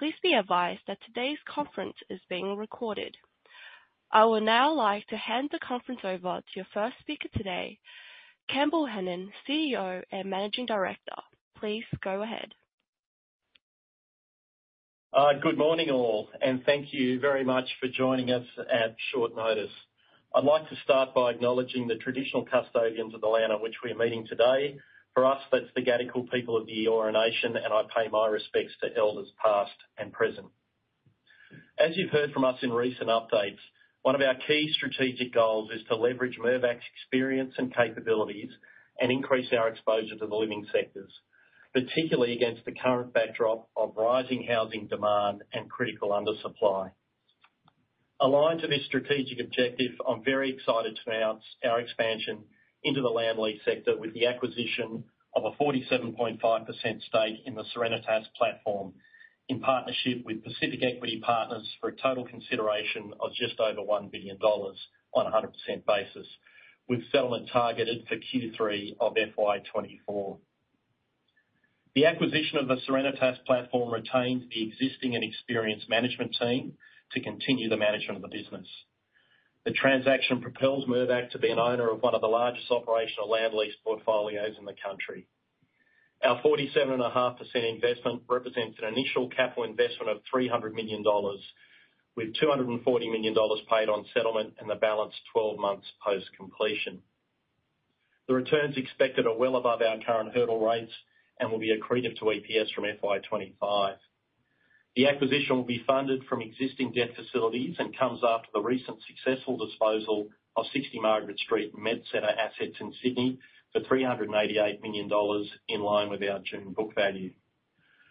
Please be advised that today's conference is being recorded. I would now like to hand the conference over to your first speaker today, Campbell Hanan, CEO and Managing Director. Please go ahead. Good morning, all, and thank you very much for joining us at short notice. I'd like to start by acknowledging the traditional custodians of the land on which we're meeting today. For us, that's the Gadigal people of the Eora Nation, and I pay my respects to elders, past and present. As you've heard from us in recent updates, one of our key strategic goals is to leverage Mirvac's experience and capabilities and increase our exposure to the living sectors, particularly against the current backdrop of rising housing demand and critical undersupply. Aligned to this strategic objective, I'm very excited to announce our expansion into the land lease sector with the acquisition of a 47.5% stake in the Serenitas platform, in partnership with Pacific Equity Partners, for a total consideration of just over 1 billion dollars on a 100% basis, with settlement targeted for Q3 of FY 2024. The acquisition of the Serenitas platform retains the existing and experienced management team to continue the management of the business. The transaction propels Mirvac to be an owner of one of the largest operational land lease portfolios in the country. Our 47.5% investment represents an initial capital investment of 300 million dollars, with 240 million dollars paid on settlement and the balance 12 months post-completion. The returns expected are well above our current hurdle rates and will be accretive to EPS from FY 2025. The acquisition will be funded from existing debt facilities and comes after the recent successful disposal of 60 Margaret Street MetCentre assets in Sydney for 388 million dollars, in line with our June book value.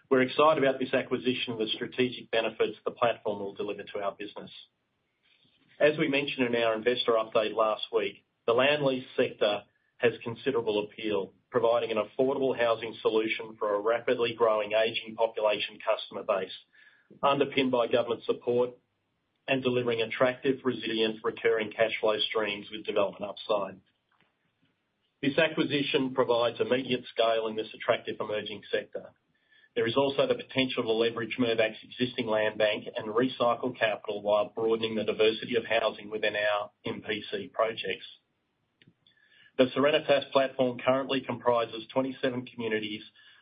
We're excited about this acquisition and the strategic benefits the platform will deliver to our business. As we mentioned in our investor update last week, the land lease sector has considerable appeal, providing an affordable housing solution for a rapidly growing, aging population customer base, underpinned by government support and delivering attractive, resilient, recurring cash flow streams with development upside. This acquisition provides immediate scale in this attractive emerging sector. There is also the potential to leverage Mirvac's existing land bank and recycle capital while broadening the diversity of housing within our MPC projects. The Serenitas platform currently comprises 27 communities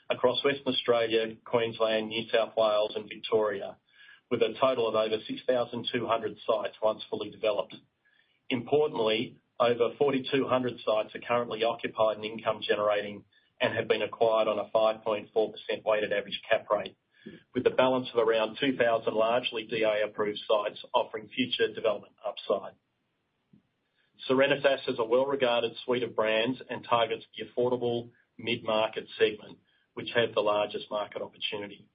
across Western Australia, Queensland, New South Wales, and Victoria, with a total of over 6,200 sites once fully developed. Importantly, over 4,200 sites are currently occupied and income-generating and have been acquired on a 5.4% weighted average cap rate, with a balance of around 2,000, largely DA-approved sites offering future development upside. Serenitas is a well-regarded suite of brands and targets the affordable mid-market segment, which has the largest market opportunity.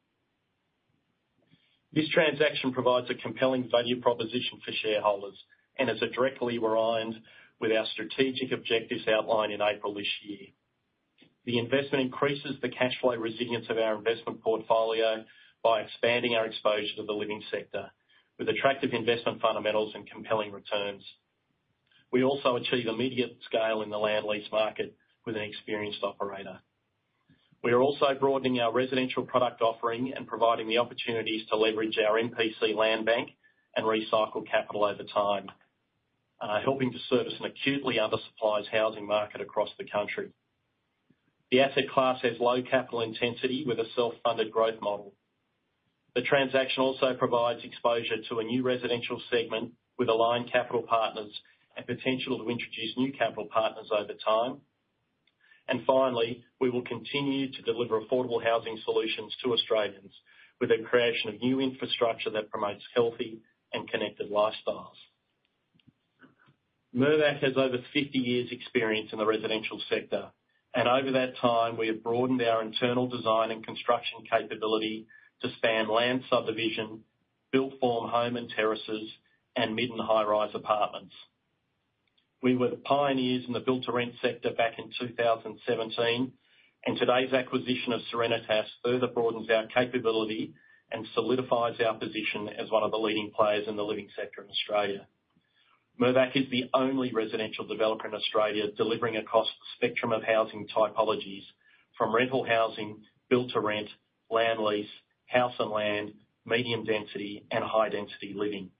This transaction provides a compelling value proposition for shareholders and is directly aligned with our strategic objectives outlined in April this year. The investment increases the cash flow resilience of our investment portfolio by expanding our exposure to the living sector, with attractive investment fundamentals and compelling returns. We also achieve immediate scale in the land lease market with an experienced operator. We are also broadening our residential product offering and providing the opportunities to leverage our MPC land bank and recycle capital over time, helping to service an acutely undersupplied housing market across the country. The asset class has low capital intensity with a self-funded growth model. The transaction also provides exposure to a new residential segment with aligned capital partners and potential to introduce new capital partners over time. Finally, we will continue to deliver affordable housing solutions to Australians with the creation of new infrastructure that promotes healthy and connected lifestyles. Mirvac has over 50 years' experience in the residential sector, and over that time, we have broadened our internal design and construction capability to span land subdivision, built form, home and terraces, and mid- and high-rise apartments. We were the pioneers in the build-to-rent sector back in 2017, and today's acquisition of Serenitas further broadens our capability and solidifies our position as one of the leading players in the living sector in Australia. Mirvac is the only residential developer in Australia delivering across the spectrum of housing typologies from rental housing, build to rent, land lease, house and land, medium density, and high-density living.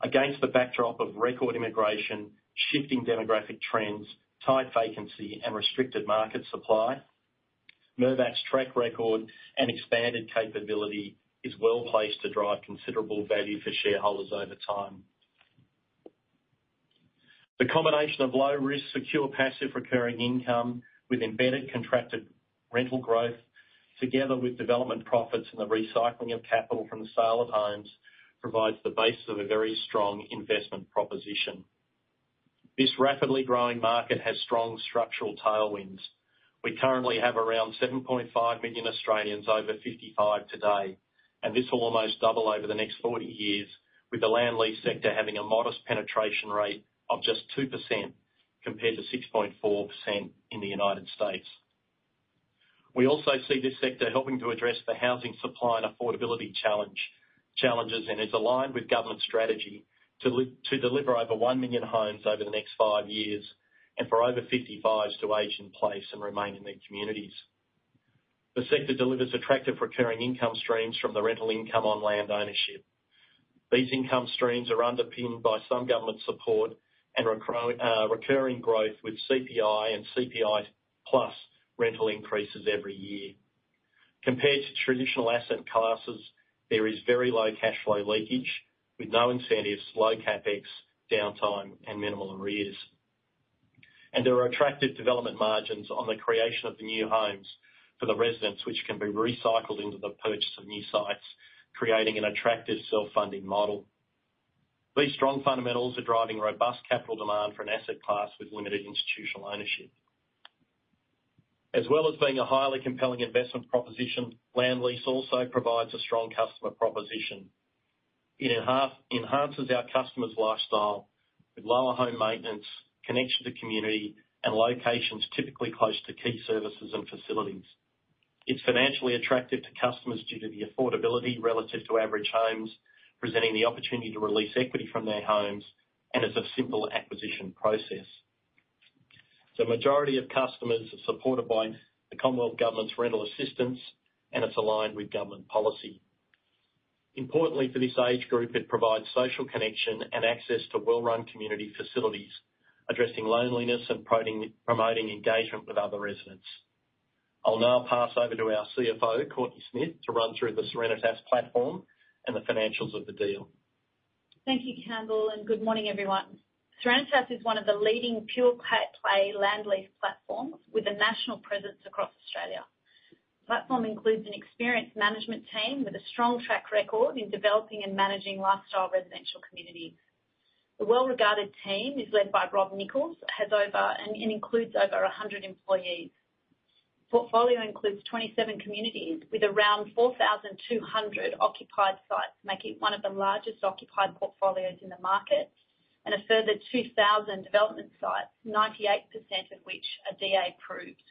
Against the backdrop of record immigration, shifting demographic trends, tight vacancy, and restricted market supply, Mirvac's track record and expanded capability is well placed to drive considerable value for shareholders over time. The combination of low-risk, secure, passive, recurring income with embedded contracted rental growth, together with development profits and the recycling of capital from the sale of homes, provides the basis of a very strong investment proposition. This rapidly growing market has strong structural tailwinds. We currently have around 7.5 million Australians over 55 today, and this will almost double over the next 40 years, with the land lease sector having a modest penetration rate of just 2%, compared to 6.4% in the United States. We also see this sector helping to address the housing supply and affordability challenges, and is aligned with government strategy to deliver over 1 million homes over the next 5 years, and for over 55s to age in place and remain in their communities. The sector delivers attractive recurring income streams from the rental income on land ownership. These income streams are underpinned by some government support and recurring growth with CPI and CPI plus rental increases every year. Compared to traditional asset classes, there is very low cash flow leakage, with no incentives, low CapEx, downtime, and minimal arrears. There are attractive development margins on the creation of the new homes for the residents, which can be recycled into the purchase of new sites, creating an attractive self-funding model. These strong fundamentals are driving robust capital demand for an asset class with limited institutional ownership. As well as being a highly compelling investment proposition, land lease also provides a strong customer proposition. It enhances our customers' lifestyle with lower home maintenance, connection to community, and locations typically close to key services and facilities. It's financially attractive to customers due to the affordability relative to average homes, presenting the opportunity to release equity from their homes, and it's a simple acquisition process. The majority of customers are supported by the Commonwealth Government's Rental Assistance, and it's aligned with government policy. Importantly, for this age group, it provides social connection and access to well-run community facilities, addressing loneliness and promoting engagement with other residents. I'll now pass over to our CFO, Courtenay Smith, to run through the Serenitas platform and the financials of the deal. Thank you, Campbell, and good morning, everyone. Serenitas is one of the leading pure-play land lease platforms, with a national presence across Australia. The platform includes an experienced management team with a strong track record in developing and managing lifestyle residential communities. The well-regarded team is led by Rob Nichols and includes over 100 employees. Portfolio includes 27 communities, with around 4,200 occupied sites, making it one of the largest occupied portfolios in the market, and a further 2,000 development sites, 98% of which are DA approved.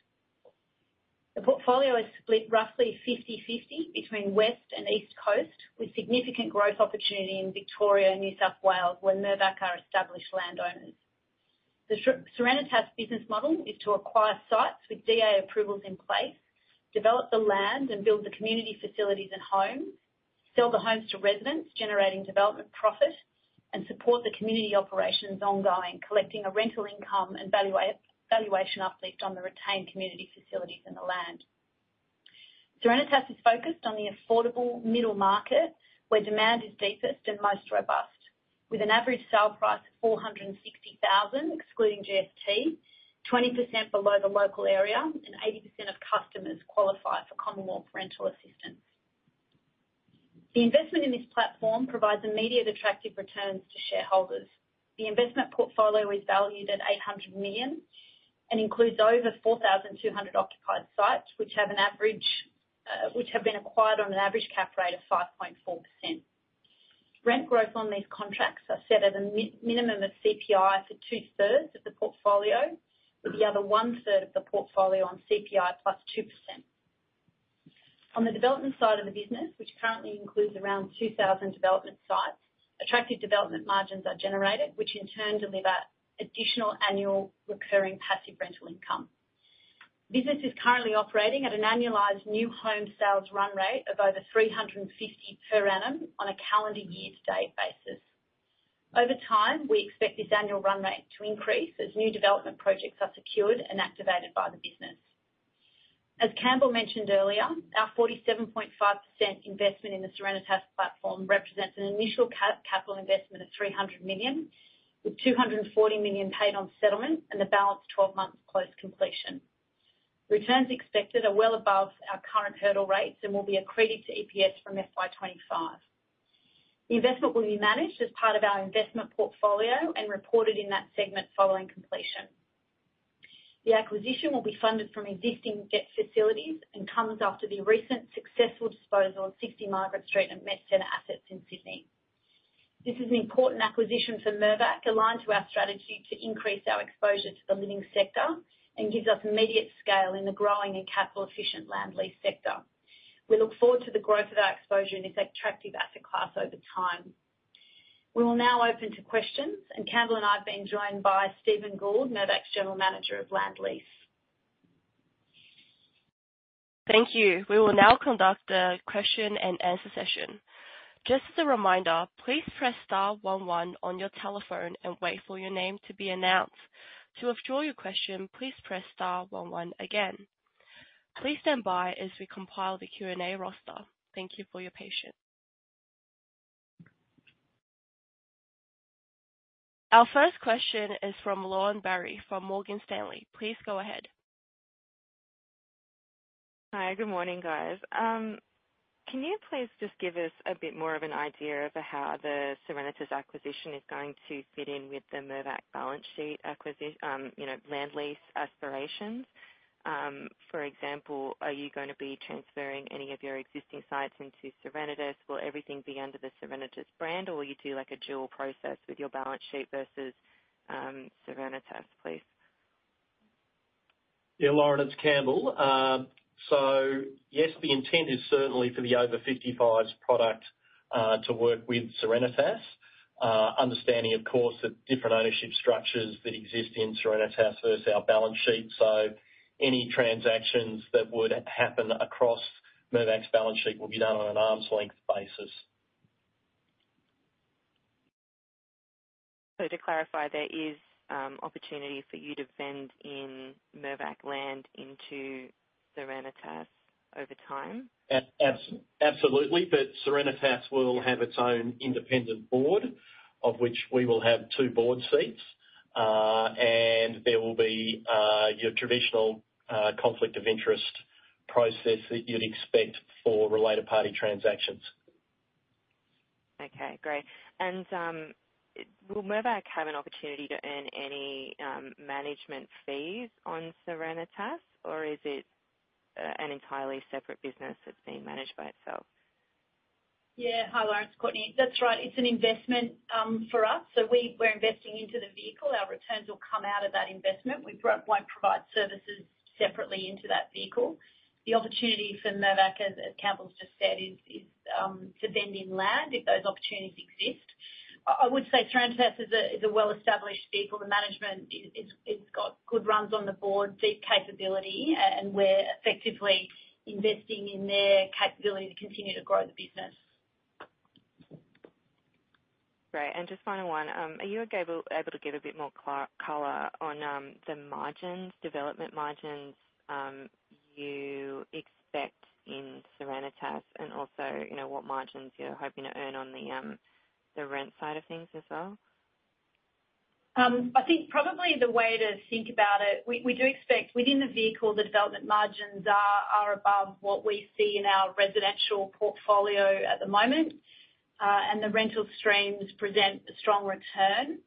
The portfolio is split roughly 50/50 between West and East Coast, with significant growth opportunity in Victoria and New South Wales, where Mirvac are established landowners. The Serenitas business model is to acquire sites with DA approvals in place, develop the land, and build the community facilities and homes, sell the homes to residents, generating development profit, and support the community operations ongoing, collecting a rental income and valuation uplift on the retained community facilities and the land. Serenitas is focused on the affordable middle market, where demand is deepest and most robust. With an average sale price of 460,000, excluding GST, 20% below the local area, and 80% of customers qualify for Commonwealth Rental Assistance. The investment in this platform provides immediate attractive returns to shareholders. The investment portfolio is valued at 800 million, and includes over 4,200 occupied sites, which have an average, which have been acquired on an average cap rate of 5.4%. Rent growth on these contracts are set at a minimum of CPI for two-thirds of the portfolio, with the other one-third of the portfolio on CPI plus 2%. On the development side of the business, which currently includes around 2,000 development sites, attractive development margins are generated, which in turn deliver additional annual recurring passive rental income. Business is currently operating at an annualized new home sales run rate of over 350 per annum on a calendar year-to-date basis. Over time, we expect this annual run rate to increase as new development projects are secured and activated by the business. As Campbell mentioned earlier, our 47.5% investment in the Serenitas platform represents an initial capital investment of 300 million, with 240 million paid on settlement, and the balance 12 months post-completion. Returns expected are well above our current hurdle rates and will be accretive to EPS from FY 2025. The investment will be managed as part of our investment portfolio and reported in that segment following completion. The acquisition will be funded from existing debt facilities and comes after the recent successful disposal of 60 Margaret Street and MetCentre assets in Sydney. This is an important acquisition for Mirvac, aligned to our strategy to increase our exposure to the living sector, and gives us immediate scale in the growing and capital-efficient land lease sector. We look forward to the growth of our exposure in this attractive asset class over time. We will now open to questions, and Campbell and I have been joined by Stephen Gould, Mirvac's General Manager of Land Lease. Thank you. We will now conduct the question and answer session. Just as a reminder, please press star one one on your telephone and wait for your name to be announced. To withdraw your question, please press star one one again. Please stand by as we compile the Q&A roster. Thank you for your patience. Our first question is from Lauren Berry, from Morgan Stanley. Please go ahead. Hi, good morning, guys. Can you please just give us a bit more of an idea of how the Serenitas acquisition is going to fit in with the Mirvac balance sheet acquisition, you know, land lease aspirations? For example, are you going to be transferring any of your existing sites into Serenitas? Will everything be under the Serenitas brand, or will you do, like, a dual process with your balance sheet versus Serenitas, please?... Yeah, Lauren, it's Campbell. So yes, the intent is certainly for the over 55s product to work with Serenitas. Understanding, of course, the different ownership structures that exist in Serenitas versus our balance sheet. So any transactions that would happen across Mirvac's balance sheet will be done on an arm's length basis. So to clarify, there is opportunity for you to vend in Mirvac land into Serenitas over time? Absolutely. But Serenitas will have its own independent board, of which we will have two board seats. And there will be your traditional conflict of interest process that you'd expect for related party transactions. Okay, great. And will Mirvac have an opportunity to earn any management fees on Serenitas, or is it an entirely separate business that's being managed by itself? Yeah. Hi, Lauren, Courtenay. That's right, it's an investment for us. So we're investing into the vehicle. Our returns will come out of that investment. We won't provide services separately into that vehicle. The opportunity for Mirvac, as Campbell just said, is to vend in land, if those opportunities exist. I would say Serenitas is a well-established vehicle. The management is, it's got good runs on the board, deep capability, and we're effectively investing in their capability to continue to grow the business. Great. And just final one. Are you able to give a bit more color on the margins, development margins you expect in Serenitas? And also, you know, what margins you're hoping to earn on the rent side of things as well? I think probably the way to think about it, we do expect within the vehicle, the development margins are above what we see in our residential portfolio at the moment. And the rental streams present a strong return.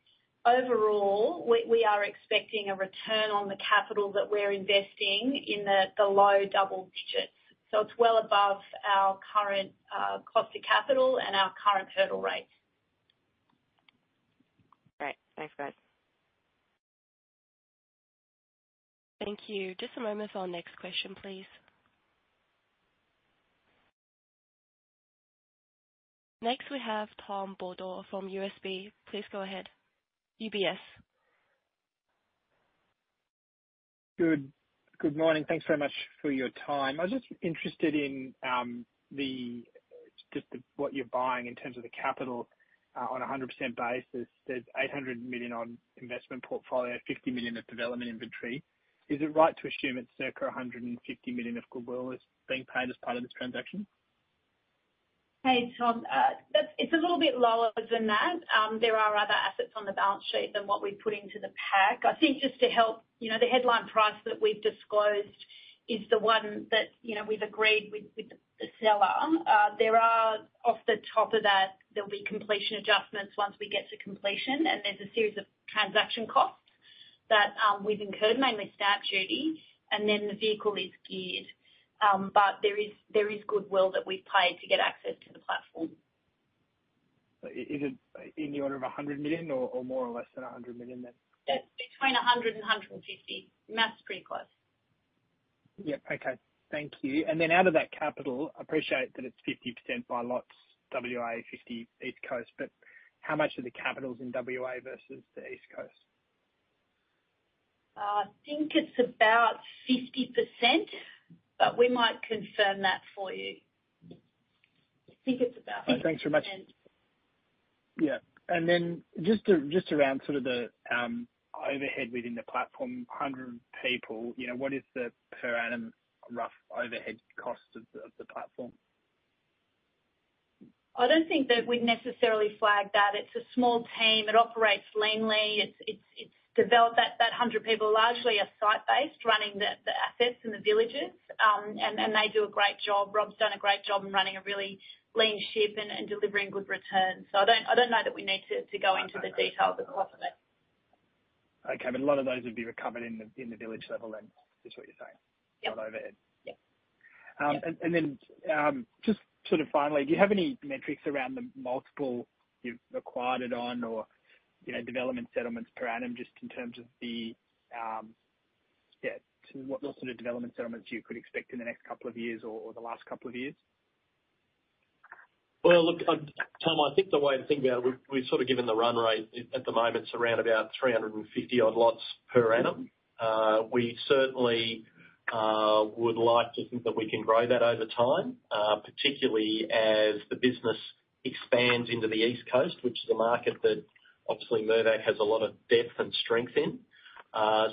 Overall, we are expecting a return on the capital that we're investing in the low double digits. So it's well above our current cost of capital and our current hurdle rate. Great. Thanks, guys. Thank you. Just a moment for our next question, please. Next, we have Tom Bodor from UBS. Please go ahead, UBS. Good morning. Thanks very much for your time. I was just interested in the just the what you're buying in terms of the capital on a 100% basis. There's 800 million on investment portfolio, 50 million of development inventory. Is it right to assume it's circa 150 million of goodwill is being paid as part of this transaction? Hey, Tom. That's – it's a little bit lower than that. There are other assets on the balance sheet than what we've put into the pack. I think just to help, you know, the headline price that we've disclosed is the one that, you know, we've agreed with the seller. There are, off the top of that, there'll be completion adjustments once we get to completion, and there's a series of transaction costs that we've incurred, mainly stamp duty, and then the vehicle is geared. But there is goodwill that we've paid to get access to the platform. So is it in the order of 100 million or, or more, or less than 100 million then? It's between 100 and 150. Matt's pretty close. Yep. Okay. Thank you. And then out of that capital, I appreciate that it's 50% by lots, WA, 50 East Coast, but how much of the capital is in WA versus the East Coast? I think it's about 50%, but we might confirm that for you. I think it's about 50%. Thanks very much. Yeah. And then just around sort of the overhead within the platform, 100 people, you know, what is the per annum rough overhead cost of the platform? I don't think that we'd necessarily flag that. It's a small team. It operates leanly. It's developed... That 100 people largely are site-based, running the assets in the villages. And they do a great job. Rob's done a great job in running a really lean ship and delivering good returns. So I don't know that we need to go into the details of the cost of it. Okay. But a lot of those would be recovered in the village level, then, is what you're saying? Yep. The overhead. Yep. And then, just sort of finally, do you have any metrics around the multiple you've acquired it on, or, you know, development settlements per annum, just in terms of the to what sort of development settlements you could expect in the next couple of years or the last couple of years? Well, look, I, Tom, I think the way to think about it, we've, we've sort of given the run rate. At, at the moment, it's around about 350 odd lots per annum. We certainly would like to think that we can grow that over time, particularly as the business expands into the East Coast, which is a market that obviously Mirvac has a lot of depth and strength in.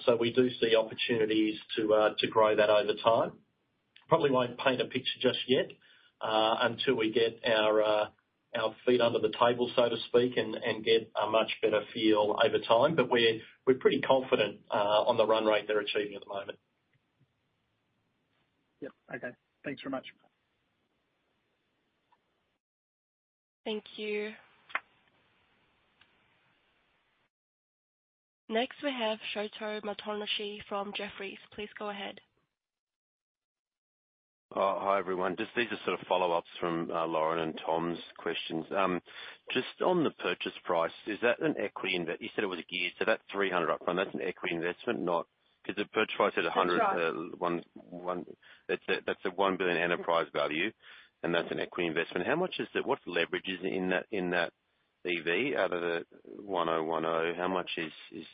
So we do see opportunities to grow that over time. Probably won't paint a picture just yet, until we get our, our feet under the table, so to speak, and get a much better feel over time. But we're, we're pretty confident on the run rate they're achieving at the moment. Yep. Okay. Thanks very much. Thank you. Next, we have Sholto Maconochie from Jefferies. Please go ahead.... Oh, hi, everyone. Just these are sort of follow-ups from Lauren and Tom's questions. Just on the purchase price, is that an equity invest-? You said it was geared, so that's 300 up front. That's an equity investment, not-- because the purchase price is 100. That's right. That's a, that's a 1 billion enterprise value, and that's an equity investment. What leverage is in that EV out of the 1.0, 1.0? How much is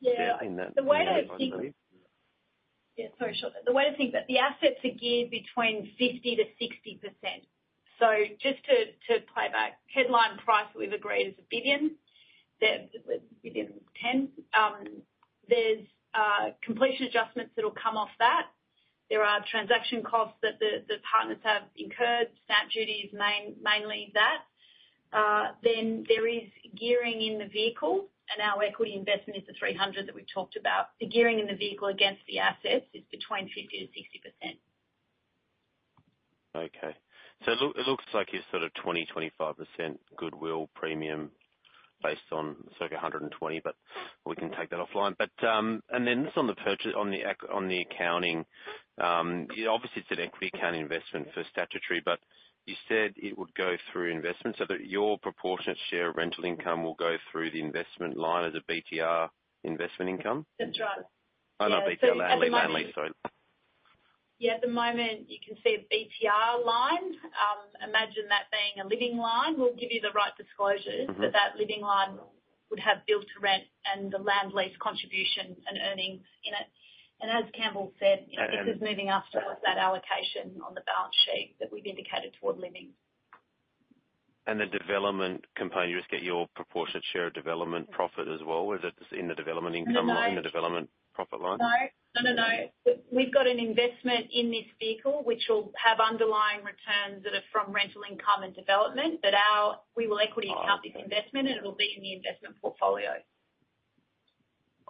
Yeah. In that- The way to think about the assets are geared between 50%-60%. So just to play back, headline price we've agreed is 1 billion, that within 10. There's completion adjustments that'll come off that. There are transaction costs that the partners have incurred. Stamp duty is mainly that. Then there is gearing in the vehicle, and our equity investment is the 300 that we've talked about. The gearing in the vehicle against the assets is between 50%-60%. Okay. So it looks like you're sort of 20-25% goodwill premium based on circa 120, but we can take that offline. But, and then just on the purchase, on the accounting, obviously it's an equity account investment for statutory, but you said it would go through investment so that your proportionate share of rental income will go through the investment line as a BTR investment income? That's right. Oh, not BTR- Yeah, so at the moment— Land only, land only, sorry. Yeah, at the moment, you can see a BTR line. Imagine that being a living line. We'll give you the right disclosures- Mm-hmm. But that living line would have build-to-rent and the land lease contribution and earnings in it. And as Campbell said- And, and- This is moving after that allocation on the balance sheet that we've indicated toward living. The development component, you just get your proportionate share of development profit as well, or is it in the development income- No. In the development profit line? No. No, no, no. We've got an investment in this vehicle, which will have underlying returns that are from rental income and development, but our... We will equity account this investment, and it will be in the investment portfolio.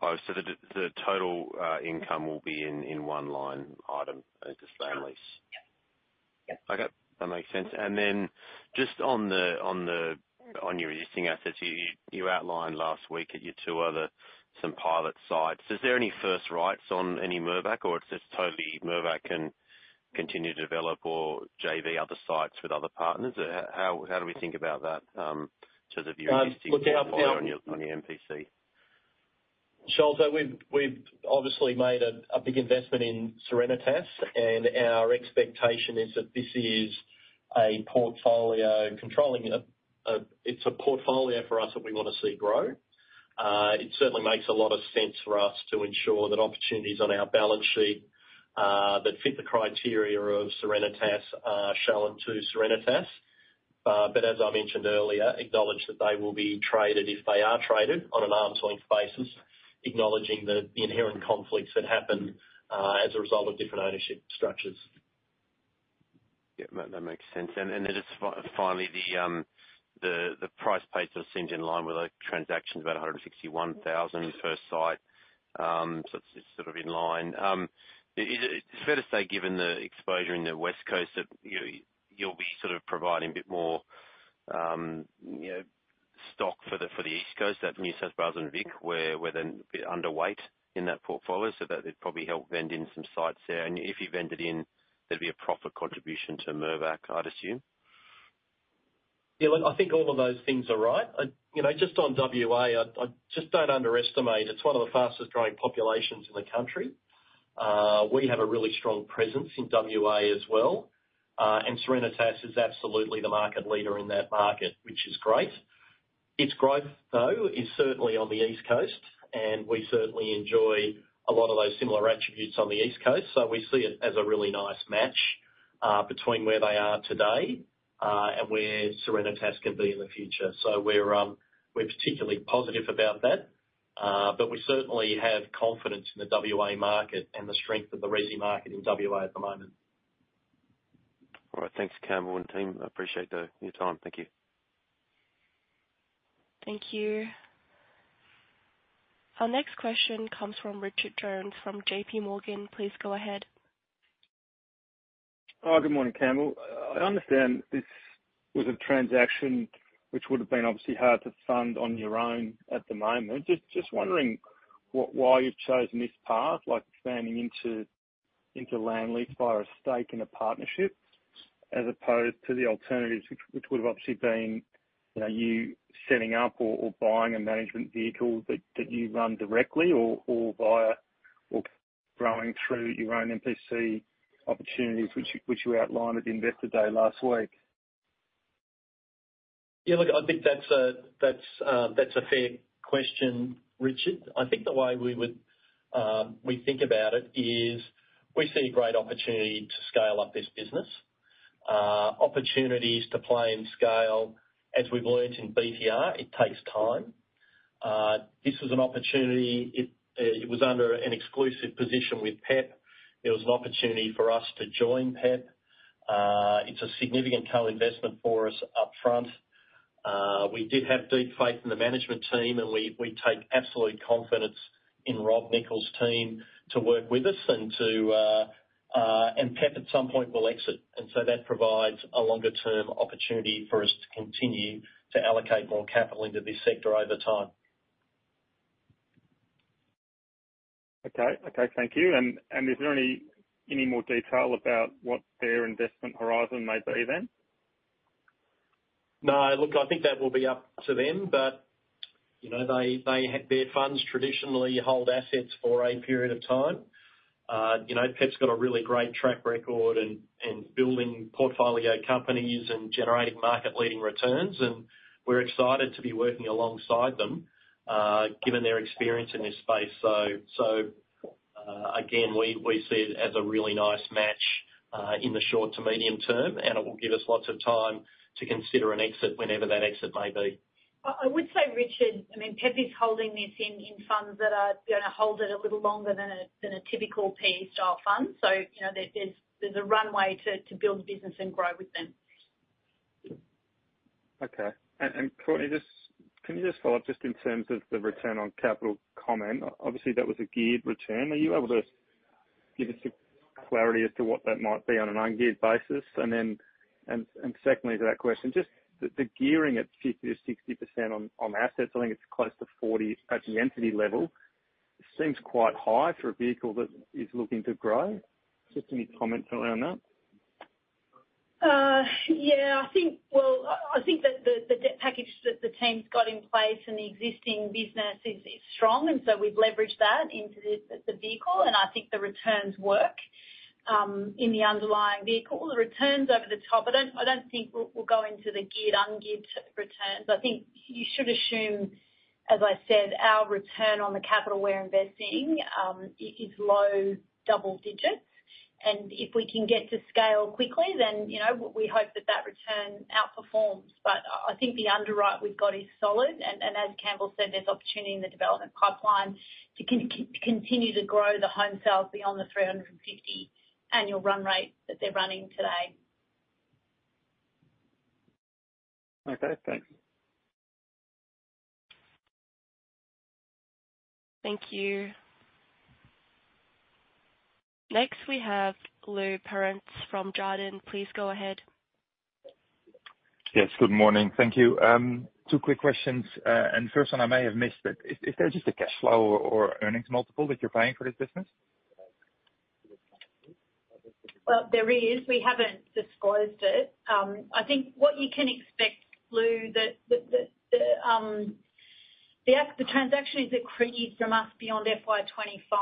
Oh, so the total income will be in one line item as just land lease. Sure. Yeah. Yeah. Okay, that makes sense. And then just on your existing assets, you outlined last week at your two other, some pilot sites. Is there any first rights on any Mirvac, or it's just totally Mirvac can continue to develop or JV other sites with other partners? How do we think about that, in terms of your- Um, look- On your MPC? Sure. So we've obviously made a big investment in Serenitas, and our expectation is that this is a portfolio, controlling it, it's a portfolio for us that we want to see grow. It certainly makes a lot of sense for us to ensure that opportunities on our balance sheet that fit the criteria of Serenitas are shown to Serenitas. But as I mentioned earlier, acknowledge that they will be traded, if they are traded, on an arm's length basis, acknowledging the inherent conflicts that happen as a result of different ownership structures. Yeah, that makes sense. And then just finally, the price paid seems in line with the transactions, about 161,000 per site. So it's sort of in line. Is it fair to say, given the exposure in the West Coast, that you'll be sort of providing a bit more, you know, stock for the East Coast, that New South Wales and Vic, where they're a bit underweight in that portfolio, so that they'd probably help vend in some sites there. And if you vend it in, there'd be a profit contribution to Mirvac, I'd assume? Yeah, look, I think all of those things are right. You know, just on WA, I just don't underestimate, it's one of the fastest growing populations in the country. We have a really strong presence in WA as well. And Serenitas is absolutely the market leader in that market, which is great. Its growth, though, is certainly on the East Coast, and we certainly enjoy a lot of those similar attributes on the East Coast, so we see it as a really nice match, between where they are today, and where Serenitas can be in the future. So we're, we're particularly positive about that, but we certainly have confidence in the WA market and the strength of the resi market in WA at the moment. All right. Thanks, Campbell and team. I appreciate your time. Thank you. Thank you. Our next question comes from Richard Jones, from JPMorgan. Please go ahead. Hi, good morning, Campbell. I understand this was a transaction which would have been obviously hard to fund on your own at the moment. Just wondering why you've chosen this path, like expanding into land lease via a stake in a partnership, as opposed to the alternatives, which would have obviously been, you know, you setting up or buying a management vehicle that you run directly or via or growing through your own MPC opportunities, which you outlined at Investor Day last week. Yeah, look, I think that's a fair question, Richard. I think the way we would, we think about it is we see a great opportunity to scale up this business. Opportunities to play in scale, as we've learned in BTR, it takes time. This was an opportunity. It was under an exclusive position with PEP. It was an opportunity for us to join PEP. It's a significant co-investment for us upfront. We did have deep faith in the management team, and we take absolute confidence in Rob Nichols' team to work with us and to and PEP at some point will exit. And so that provides a longer-term opportunity for us to continue to allocate more capital into this sector over time. ... Okay. Okay, thank you. And, and is there any, any more detail about what their investment horizon may be then? No. Look, I think that will be up to them, but, you know, they, their funds traditionally hold assets for a period of time. You know, PEP's got a really great track record in building portfolio companies and generating market-leading returns, and we're excited to be working alongside them, given their experience in this space. Again, we see it as a really nice match in the short to medium term, and it will give us lots of time to consider an exit whenever that exit may be. I would say, Richard, I mean, PEP is holding this in funds that are gonna hold it a little longer than a typical PE style fund. So, you know, there's a runway to build the business and grow with them. Okay. And, and Courtenay, just-- can you just follow up, just in terms of the return on capital comment? Obviously, that was a geared return. Are you able to give us some clarity as to what that might be on an ungeared basis? And then-- and, and secondly to that question, just the, the gearing at 50%-60% on, on assets, I think it's close to 40 at the entity level, seems quite high for a vehicle that is looking to grow. Just any comments around that? Yeah, I think... Well, I think that the debt package that the team's got in place in the existing business is strong, and so we've leveraged that into this vehicle, and I think the returns work in the underlying vehicle. The returns over the top, I don't think we'll go into the geared, ungeared returns. I think you should assume, as I said, our return on the capital we're investing is low double digits, and if we can get to scale quickly, then, you know, we hope that that return outperforms. But I think the underwrite we've got is solid, and as Campbell said, there's opportunity in the development pipeline to continue to grow the home sales beyond the 350 annual run rate that they're running today. Okay, thanks. Thank you. Next, we have Lou Pirenc from Jarden. Please go ahead. Yes. Good morning. Thank you. Two quick questions. And first one I may have missed, but is there just a cash flow or earnings multiple that you're paying for this business? Well, there is. We haven't disclosed it. I think what you can expect, Lou, that the transaction is accretive from us beyond FY 25.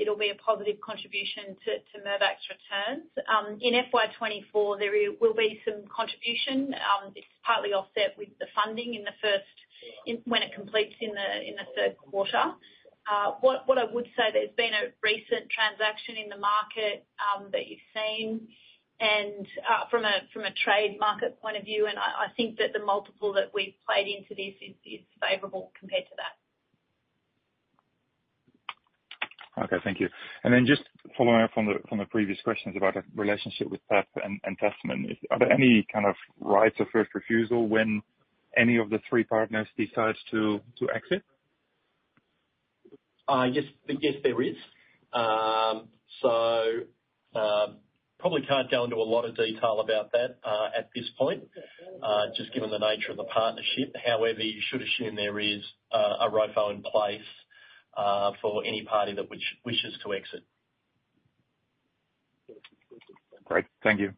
It'll be a positive contribution to Mirvac's returns. In FY 24, there will be some contribution. It's partly offset with the funding in the first, when it completes in the third quarter. What I would say, there's been a recent transaction in the market that you've seen, and from a trade market point of view, and I think that the multiple that we've played into this is favorable compared to that. Okay, thank you. And then just following up on the previous questions about a relationship with PEP and Tasman, are there any kind of rights of first refusal when any of the three partners decides to exit? Yes, yes, there is. So, probably can't go into a lot of detail about that at this point, just given the nature of the partnership. However, you should assume there is a ROFO in place for any party that wishes to exit. Great. Thank you.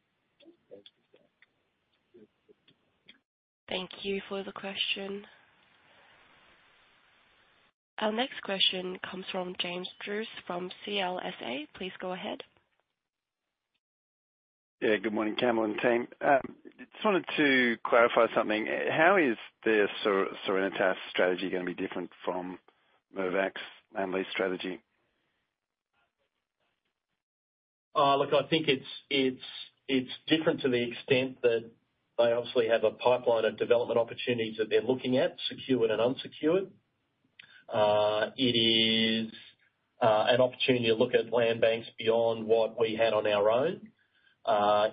Thank you for the question. Our next question comes from James Druce from CLSA. Please go ahead. Yeah. Good morning, Campbell and team. Just wanted to clarify something. How is the Serenitas strategy gonna be different from Mirvac's land lease strategy? Look, I think it's different to the extent that they obviously have a pipeline of development opportunities that they're looking at, secured and unsecured. It is an opportunity to look at land banks beyond what we had on our own,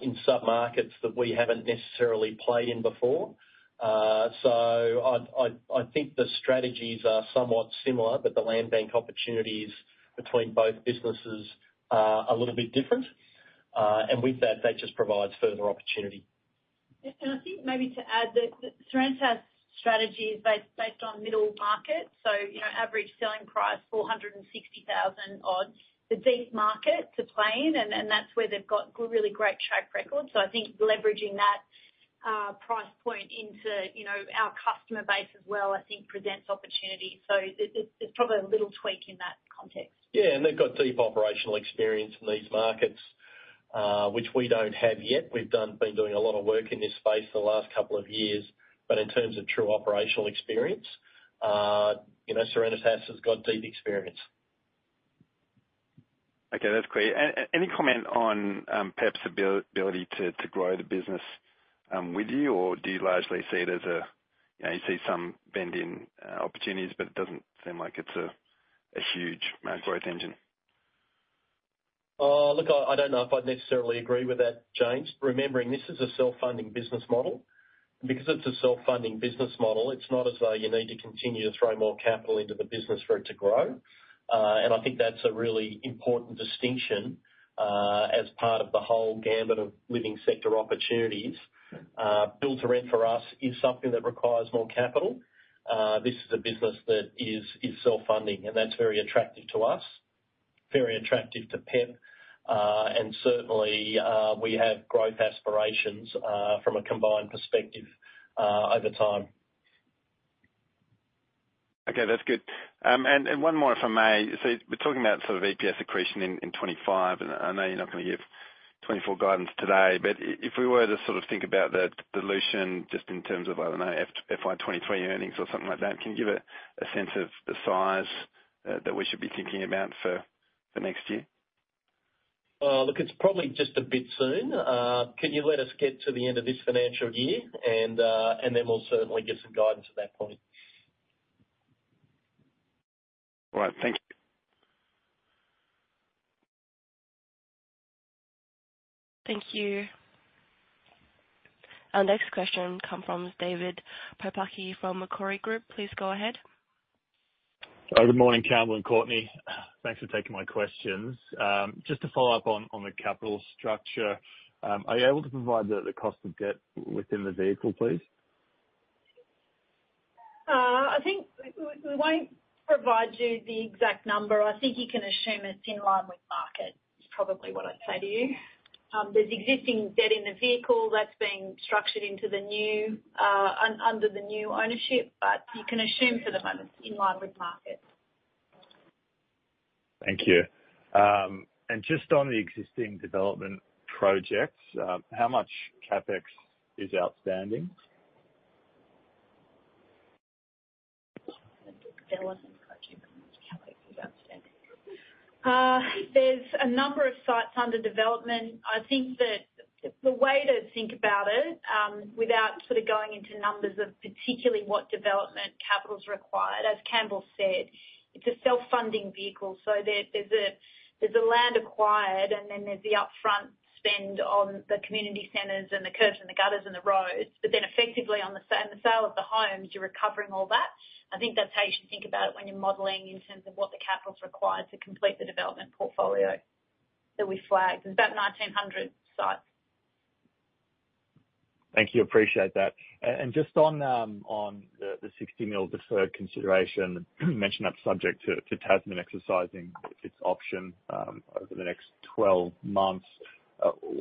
in some markets that we haven't necessarily played in before. So I think the strategies are somewhat similar, but the land bank opportunities between both businesses are a little bit different. And with that, that just provides further opportunity. Yeah, and I think maybe to add, the Serenitas strategy is based on middle market, so, you know, average selling price 460,000 odd. The deep market to play in, and that's where they've got really great track record. So I think leveraging that price point into, you know, our customer base as well, I think presents opportunities. So there's probably a little tweak in that context. Yeah, and they've got deep operational experience in these markets, which we don't have yet. We've been doing a lot of work in this space for the last couple of years, but in terms of true operational experience, you know, Serenitas has got deep experience. Okay, that's clear. Any comment on PEP's ability to grow the business with you? Or do you largely see it as a, you know, you see some bend in opportunities, but it doesn't seem like it's a huge amount growth engine. Look, I don't know if I'd necessarily agree with that, James. Remembering, this is a self-funding business model. Because it's a self-funding business model, it's not as though you need to continue to throw more capital into the business for it to grow. I think that's a really important distinction, as part of the whole gamut of living sector opportunities. Build to rent for us is something that requires more capital. This is a business that is self-funding, and that's very attractive to us, very attractive to PEP. Certainly, we have growth aspirations, from a combined perspective, over time. Okay, that's good. And one more, if I may. So we're talking about sort of EPS accretion in 2025, and I know you're not going to give 2024 guidance today, but if we were to sort of think about the dilution just in terms of, I don't know, FY 2023 earnings or something like that, can you give a sense of the size that we should be thinking about for the next year? Look, it's probably just a bit soon. Can you let us get to the end of this financial year and then we'll certainly give some guidance at that point. All right. Thank you. Thank you. Our next question come from David Pobucky from Macquarie Group. Please go ahead. Good morning, Campbell and Courtenay. Thanks for taking my questions. Just to follow up on the capital structure, are you able to provide the cost of debt within the vehicle, please? I think we won't provide you the exact number. I think you can assume it's in line with market, is probably what I'd say to you. There's existing debt in the vehicle that's being structured into the new under the new ownership, but you can assume for the moment it's in line with market. Thank you. Just on the existing development projects, how much CapEx is outstanding? Development projects, how is outstanding? There's a number of sites under development. I think that the way to think about it, without sort of going into numbers of particularly what development capital's required, as Campbell said, it's a self-funding vehicle. So there's a land acquired, and then there's the upfront spend on the community centers and the curbs and the gutters and the roads. But then effectively on the sale of the homes, you're recovering all that. I think that's how you should think about it when you're modeling in terms of what the capital's required to complete the development portfolio that we flagged. It's about 1,900 sites. Thank you. Appreciate that. And just on the 60 million deferred consideration, you mentioned that's subject to Tasman exercising its option over the next 12 months.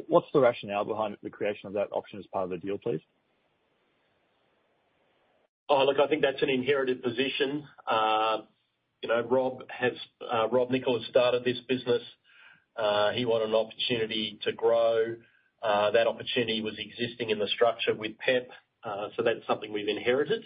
What's the rationale behind the creation of that option as part of the deal, please? Oh, look, I think that's an inherited position. You know, Rob has, Rob Nichols started this business. He wanted an opportunity to grow. That opportunity was existing in the structure with PEP. So that's something we've inherited.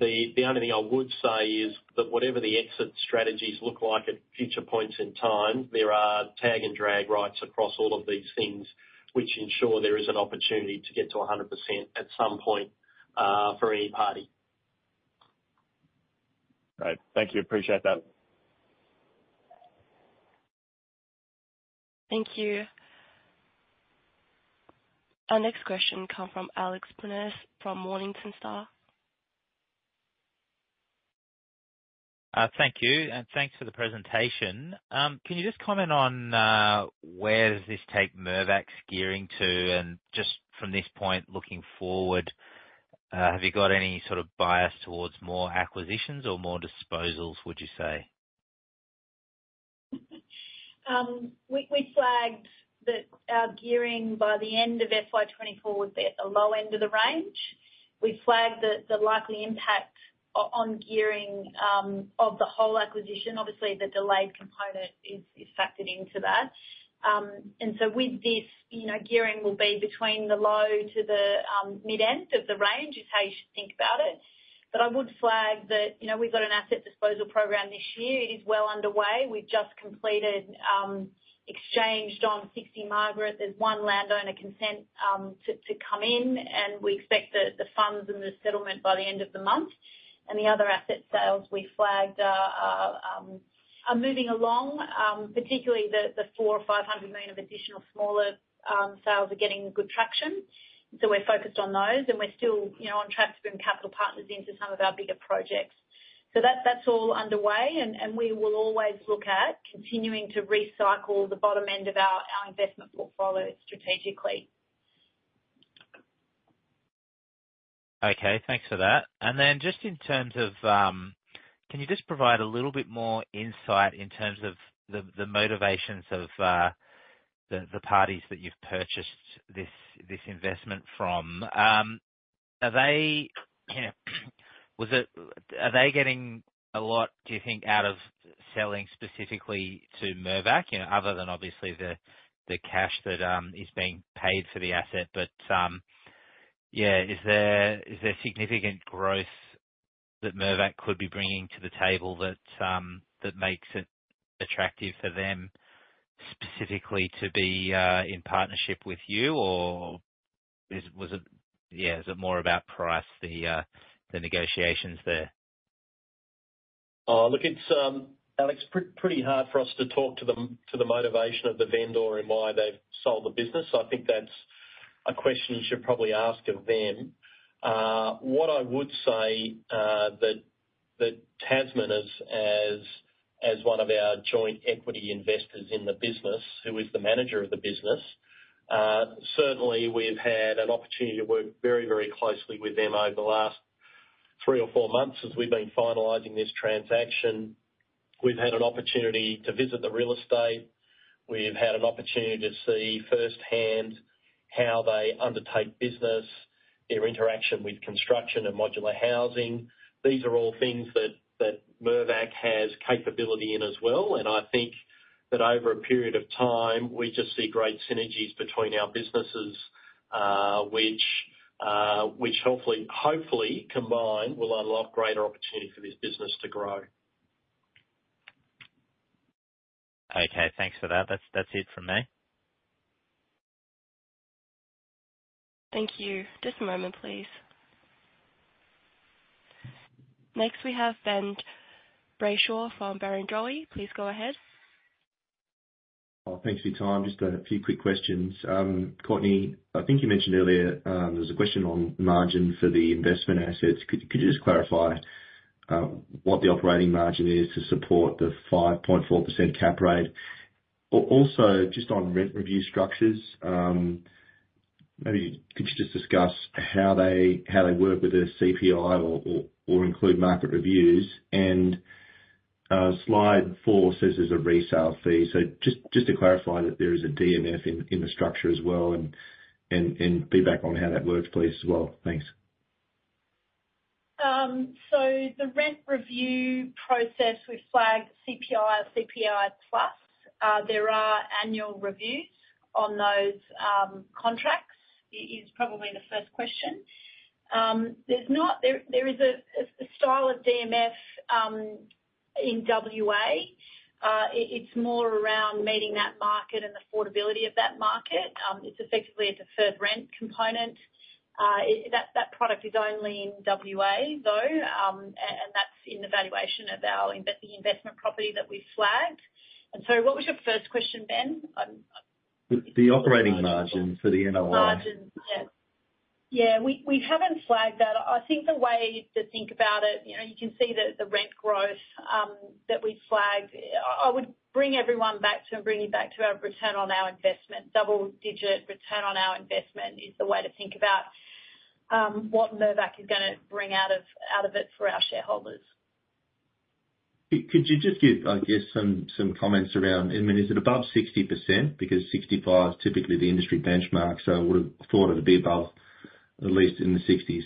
The only thing I would say is that whatever the exit strategies look like at future points in time, there are tag and drag rights across all of these things, which ensure there is an opportunity to get to 100% at some point, for any party. Great. Thank you. Appreciate that. Thank you. Our next question come from Alex Prineas from Morningstar. Thank you, and thanks for the presentation. Can you just comment on where does this take Mirvac's gearing to? And just from this point looking forward, have you got any sort of bias towards more acquisitions or more disposals, would you say? We flagged that our gearing by the end of FY 2024 would be at the low end of the range. We flagged that the likely impact on gearing of the whole acquisition, obviously the delayed component is factored into that. And so with this, you know, gearing will be between the low to the mid-end of the range, is how you should think about it. But I would flag that, you know, we've got an asset disposal program this year. It is well underway. We've just completed exchanged on 60 Margaret. There's one landowner consent to come in, and we expect the funds and the settlement by the end of the month. And the other asset sales we flagged are moving along, particularly the 400 million-500 million of additional smaller sales are getting good traction. So we're focused on those, and we're still, you know, on track to bring capital partners into some of our bigger projects. So that's all underway, and we will always look at continuing to recycle the bottom end of our investment portfolio strategically. Okay, thanks for that. And then just in terms of, can you just provide a little bit more insight in terms of the motivations of the parties that you've purchased this investment from? Are they, you know, getting a lot, do you think, out of selling specifically to Mirvac? You know, other than obviously the cash that is being paid for the asset. But yeah, is there significant growth that Mirvac could be bringing to the table that makes it attractive for them specifically to be in partnership with you? Or is it more about price, the negotiations there? Look, it's Alex, pretty hard for us to talk to the motivation of the vendor and why they've sold the business. So I think that's a question you should probably ask of them. What I would say, but Tasman as one of our joint equity investors in the business, who is the manager of the business, certainly we've had an opportunity to work very, very closely with them over the last three or four months as we've been finalizing this transaction. We've had an opportunity to visit the real estate. We've had an opportunity to see firsthand how they undertake business, their interaction with construction and modular housing. These are all things that Mirvac has capability in as well. I think that over a period of time, we just see great synergies between our businesses, which hopefully combined will unlock greater opportunity for this business to grow. Okay, thanks for that. That's, that's it from me. Thank you. Just a moment, please. Next, we have Ben Brayshaw from Barrenjoey. Please go ahead. Thanks for your time. Just a few quick questions. Courtenay, I think you mentioned earlier, there's a question on margin for the investment assets. Could you just clarify what the operating margin is to support the 5.4% cap rate? Also, just on rent review structures, maybe could you just discuss how they work with the CPI or include market reviews? And, slide 4 says there's a resale fee. So just to clarify that there is a DMF in the structure as well and feedback on how that works please as well. Thanks. So the rent review process, we've flagged CPI, CPI plus. There are annual reviews on those contracts. It is probably the first question. There's a style of DMF in WA. It's more around meeting that market and affordability of that market. It's effectively a deferred rent component. That product is only in WA, though, and that's in the valuation of our investment property that we flagged. And sorry, what was your first question, Ben? I'm The operating margin for the NOI. Margin, yeah. Yeah, we, we haven't flagged that. I think the way to think about it, you know, you can see the, the rent growth that we've flagged. I, I would bring everyone back to bringing back to our return on our investment. Double digit return on our investment is the way to think about what Mirvac is gonna bring out of, out of it for our shareholders. Could you just give, I guess, some comments around... I mean, is it above 60%? Because 65% is typically the industry benchmark, so I would have thought it'd be above, at least in the 60s.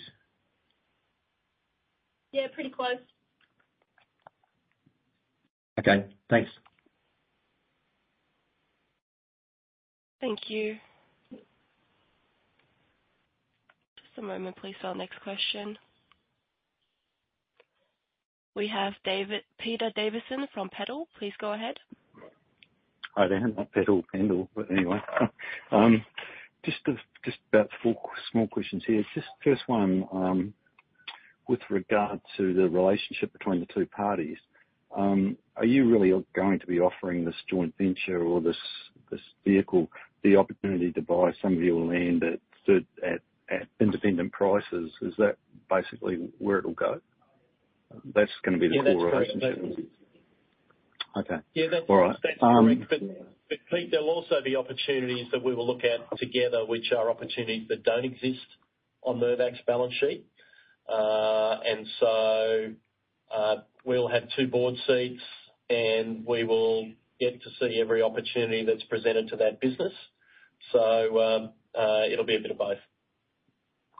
Yeah, pretty close. Okay, thanks. Thank you. Just a moment, please, for our next question. We have Peter Davidson from Pendal. Please go ahead. Hi there. Not Peddle, Pendal, but anyway, just about four small questions here. Just first one, with regard to the relationship between the two parties, are you really going to be offering this joint venture or this, this vehicle, the opportunity to buy some of your land at independent prices? Is that basically where it'll go? That's going to be the core relationship. Yeah, that's- Okay. Yeah, that's- All right. That's correct. But, but Pete, there'll also be opportunities that we will look at together, which are opportunities that don't exist on Mirvac's balance sheet. And so, we'll have two board seats, and we will get to see every opportunity that's presented to that business. So, it'll be a bit of both.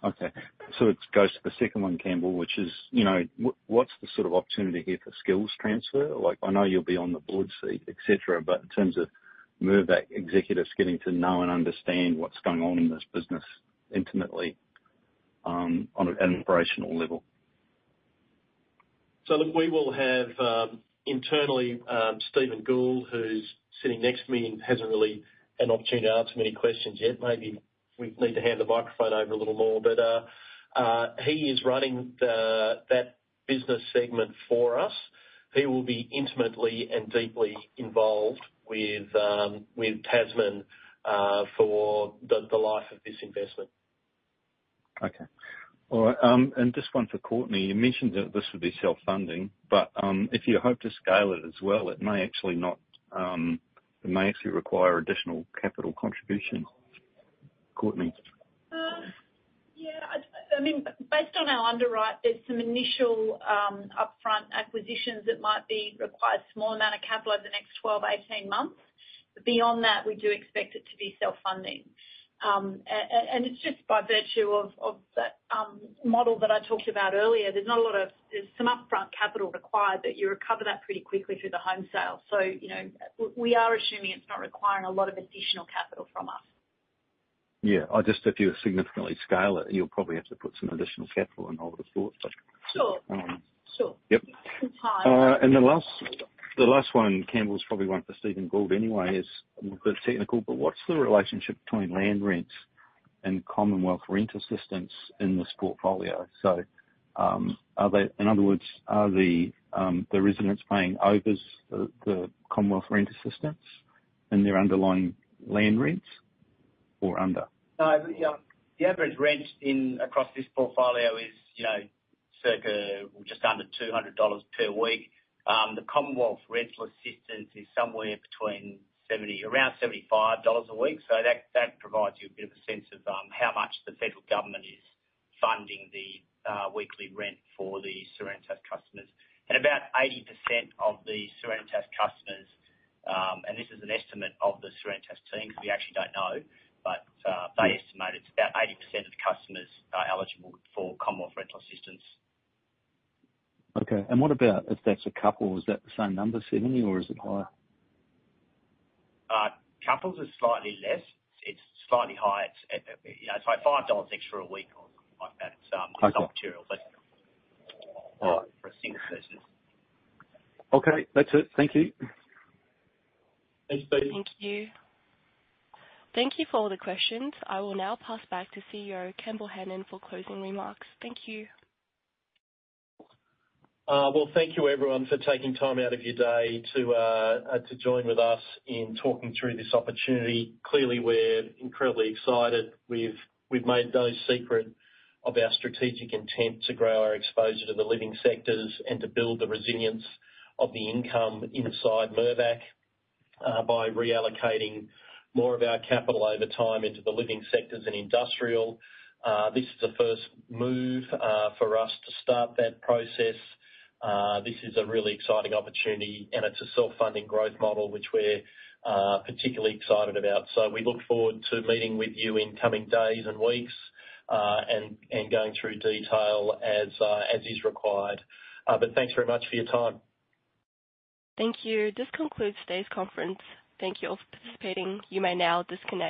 Okay, so it goes to the second one, Campbell, which is, you know, what's the sort of opportunity here for skills transfer? Like, I know you'll be on the board seat, et cetera, but in terms of Mirvac executives getting to know and understand what's going on in this business intimately, on an operational level. So look, we will have, internally, Stephen Gould, who's sitting next to me and hasn't really an opportunity to answer many questions yet. Maybe we need to hand the microphone over a little more, but he is running that business segment for us. He will be intimately and deeply involved with Tasman for the life of this investment. Okay. All right, and just one for Courtenay. You mentioned that this would be self-funding, but, if you hope to scale it as well, it may actually not, it may actually require additional capital contribution. Courtenay? Yeah, I mean, based on our underwrite, there's some initial upfront acquisitions that might be required, a small amount of capital over the next 12-18 months. But beyond that, we do expect it to be self-funding. And it's just by virtue of that model that I talked about earlier. There's some upfront capital required, but you recover that pretty quickly through the home sale. So, you know, we are assuming it's not requiring a lot of additional capital from us. Yeah. I just - if you significantly scale it, you'll probably have to put some additional capital in all the boards, but- Sure. Um. Sure. Yep. It's high. And the last, the last one, Campbell, is probably one for Stephen Gould anyway, is a bit technical, but what's the relationship between land rents and Commonwealth Rent Assistance in this portfolio? So, are they— In other words, are the, the residents paying over the, the Commonwealth Rent Assistance in their underlying land rents? ... No, the average rent in across this portfolio is, you know, circa just under 200 dollars per week. The Commonwealth Rental Assistance is somewhere around 75 dollars a week. So that, that provides you a bit of a sense of how much the federal government is funding the weekly rent for the Serenitas customers. And about 80% of the Serenitas customers, and this is an estimate of the Serenitas team, because we actually don't know. But, they estimate it's about 80% of the customers are eligible for Commonwealth Rental Assistance. Okay. And what about if that's a couple? Is that the same number, 70, or is it higher? Couples is slightly less. It's slightly higher. It's, you know, it's like 5 dollars extra a week on like that. Okay. It's not material, but- All right. for single persons. Okay, that's it. Thank you. Thanks, Pete. Thank you. Thank you for all the questions. I will now pass back to CEO Campbell Hanan for closing remarks. Thank you. Well, thank you, everyone, for taking time out of your day to join with us in talking through this opportunity. Clearly, we're incredibly excited. We've, we've made no secret of our strategic intent to grow our exposure to the living sectors and to build the resilience of the income inside Mirvac by reallocating more of our capital over time into the living sectors and industrial. This is the first move for us to start that process. This is a really exciting opportunity, and it's a self-funding growth model, which we're particularly excited about. So we look forward to meeting with you in coming days and weeks, and, and going through detail as as is required. But thanks very much for your time. Thank you. This concludes today's conference. Thank you all for participating. You may now disconnect.